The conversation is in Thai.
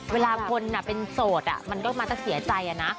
เวลาคนเป็นโสดมันก็มักจะเสียใจอะนะ